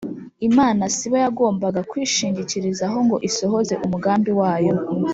. Imana sibo yagombaga kwishingikirizaho ngo isohoze umugambi wayo.